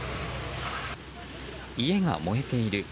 家が燃えている。